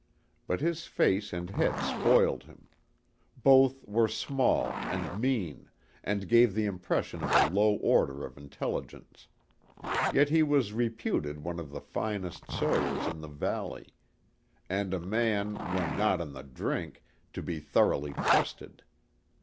But his face and head spoiled him. Both were small and mean, and gave the impression of a low order of intelligence. Yet he was reputed one of the finest sawyers in the valley, and a man, when not on the drink, to be thoroughly trusted.